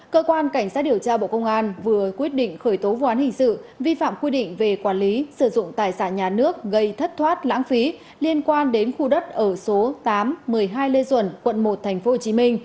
cơ quan cảnh sát điều tra bộ công an vừa quyết định khởi tố vụ án hình sự vi phạm quy định về quản lý sử dụng tài sản nhà nước gây thất thoát lãng phí liên quan đến khu đất ở số tám một mươi hai lê duẩn quận một tp hcm